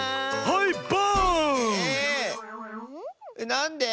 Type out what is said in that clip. なんで？